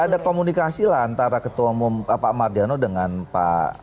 ada komunikasi lah antara ketua umum pak mardiano dengan pak